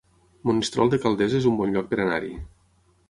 Monistrol de Calders es un bon lloc per anar-hi